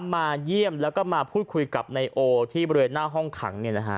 มาเยี่ยมแล้วก็มาพูดคุยกับนายโอที่บริเวณหน้าห้องขัง